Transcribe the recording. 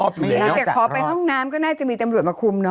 เดียวแต่เขาไปห้องน้ำก็น่าจะมีด้วยมาคุมเนอะ